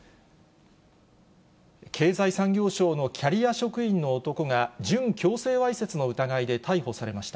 経済産業省のキャリア職員の男が準強制わいせつの疑いで逮捕されました。